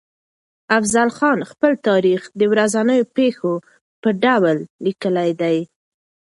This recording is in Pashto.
افضل خان خپل تاريخ د ورځنيو پېښو په ډول ليکلی دی.